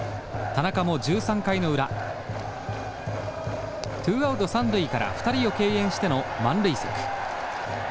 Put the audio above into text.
田中も１３回の裏ツーアウト三塁から２人を敬遠しての満塁策。